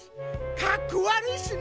かっこわるいっすね。